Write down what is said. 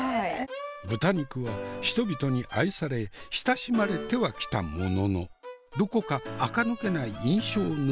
豚肉は人々に愛され親しまれてはきたもののどこかあか抜けない印象を拭い切れずにいた。